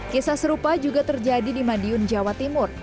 kisah serupa juga terjadi di madiun jawa timur